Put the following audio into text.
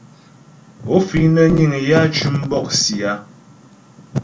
Ó fíŋ nə́ níŋ yǎ tʉ́m bɔ̂'sì a ?